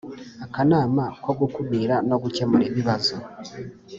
Akanama ko gukumira no gukemura ibibazo